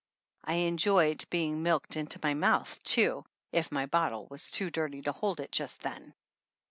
I enjoyed being milked into my mouth, too, if my bottle was too dirty to hold it just then.